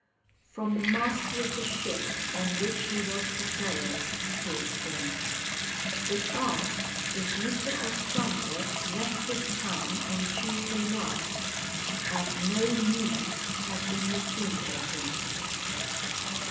"From the master of the ship on which he was to sail," he explained. "It asks if Mr. Ostrander left this town on Tuesday last, as no news has been received of him."